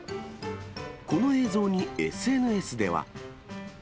この映像にＳＮＳでは。